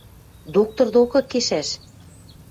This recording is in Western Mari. — Доктор докы кешӓш...